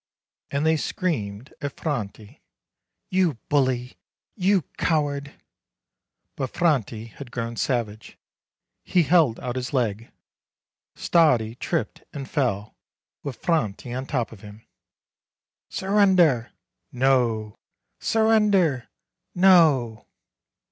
And they screamed at Franti, "You bully! you coward!" But THE FIGHT 169 Franti had grown savage; he held out his leg; Stardi tripped and fell, with Franti on top of him. "Surrender!" "No!" "Surrender!" "No!"